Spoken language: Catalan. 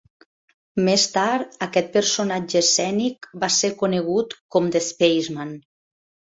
Més tard, aquest personatge escènic va ser conegut com "The Spaceman".